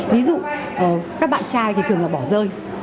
ví dụ các bạn trai thì thường là bỏ rơi